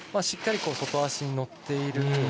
しっかり外足に乗っている。